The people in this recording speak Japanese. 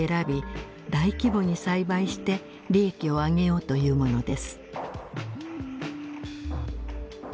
大規模に栽培して利益を上げようというものです。